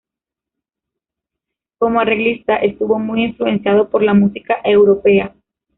Como arreglista, estuvo muy influenciado por la música europea.